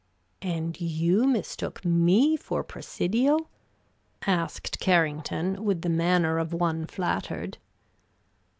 "And you mistook me for Presidio?" asked Carrington, with the manner of one flattered.